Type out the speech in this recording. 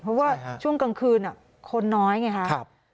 เพราะว่าช่วงกลางคืนคนน้อยไงครับ